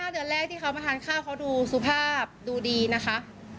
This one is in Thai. เดือนแรกที่เขามาทานข้าวเขาดูสุภาพดูดีนะคะ